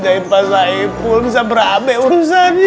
gaya pas lain pun bisa berambe urusannya